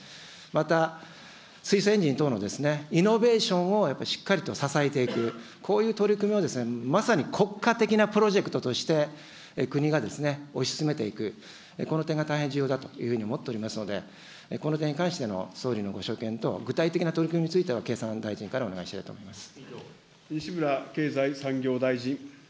また水素エンジン等のイノベーションをやっぱりしっかりと支えていく、こういう取り組みをまさに国家的なプロジェクトとして国が推し進めていく、この点が大変重要だというふうに思っておりますので、この点に関しての総理のご所見と、具体的な取り組みについては、経産大臣からお願いしたいと思います。